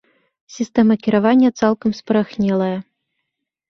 Сістэма кіравання цалкам спарахнелая.